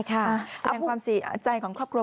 แสดงความเสียใจของครอบครัว